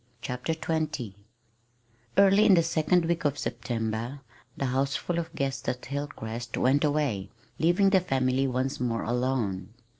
CHAPTER XX Early in the second week of September the houseful of guests at Hilcrest went away, leaving the family once more alone.